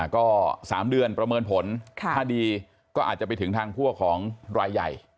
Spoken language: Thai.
ก็๓เดือนประเมินผลถ้าดีก็อาจจะไปถึงทางพวกของรายใหญ่